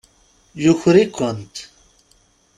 Yuker-ikent.